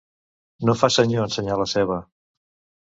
No fa senyor ensenyar la ceba.